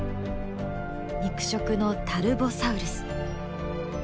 肉食のタルボサウルス。